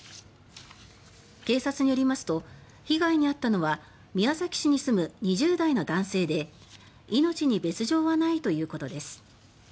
警察によりますと被害に遭ったのは宮崎市に住む２０代の男性で命に別状はないということです。